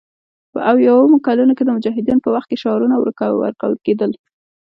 په اویایمو کلونو کې د مجاهدینو په وخت کې شعارونه ورکول کېدل